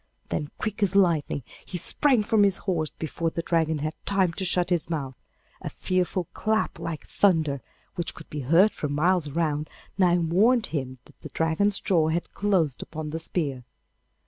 Then quick as lightning he sprang from his horse before the Dragon had time to shut his mouth. A fearful clap like thunder, which could be heard for miles around, now warned him that the Dragon's jaws had closed upon the spear.